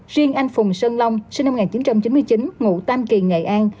riêng anh phùng sơn long sinh năm một nghìn chín trăm chín mươi chín ngụ tam kỳ nghệ an